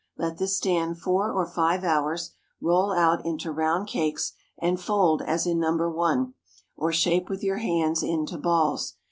Let this stand four or five hours, roll out into round cakes and fold as in No. 1, or shape with your hands into balls.